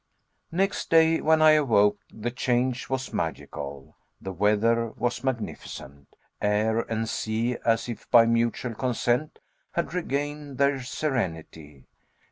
Next day when I awoke the change was magical. The weather was magnificent. Air and sea, as if by mutual consent, had regained their serenity.